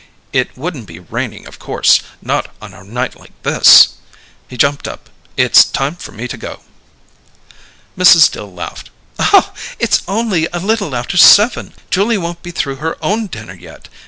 "It wouldn't be raining, of course. Not on a night like this." He jumped up. "It's time for me to go." Mrs. Dill laughed. "It's only a little after seven. Julia won't be through her own dinner yet.